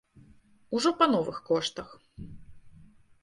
Ужо па новых коштах.